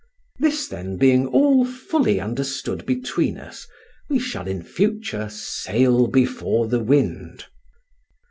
This, then, being all fully understood between us, we shall in future sail before the wind.